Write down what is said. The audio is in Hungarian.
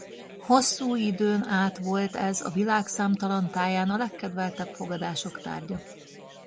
Hosszú időn át volt ez a világ számtalan táján a legkedveltebb fogadások tárgya.